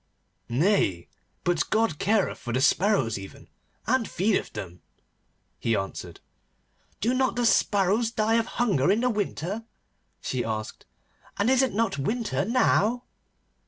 'Nay, but God careth for the sparrows even, and feedeth them,' he answered. 'Do not the sparrows die of hunger in the winter?' she asked. 'And is it not winter now?